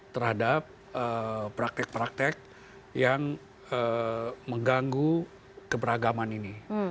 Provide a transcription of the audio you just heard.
terhadap praktek praktek yang mengganggu keberagaman ini